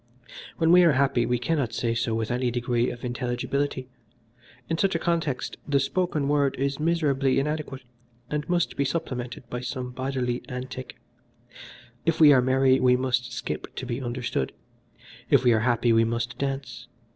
When we are happy we cannot say so with any degree of intelligibility: in such a context the spoken word is miserably inadequate, and must be supplemented by some bodily antic. If we are merry we must skip to be understood. If we are happy we must dance.